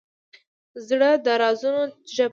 زړه د رازونو ژبه لري.